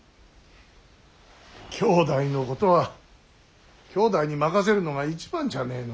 兄弟のことは兄弟に任せるのが一番じゃねえのかな。